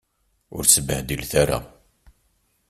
Ur sbehdilet ara.